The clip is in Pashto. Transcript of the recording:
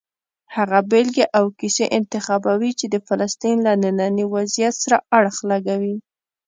هغه بېلګې او کیسې انتخابوي چې د فلسطین له ننني وضعیت سره اړخ لګوي.